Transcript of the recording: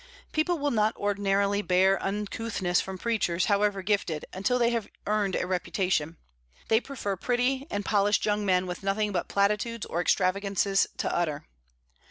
People will not ordinarily bear uncouthness from preachers, however gifted, until they have earned a reputation; they prefer pretty and polished young men with nothing but platitudes or extravagances to utter.